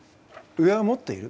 上はもっといる。